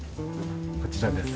こちらです。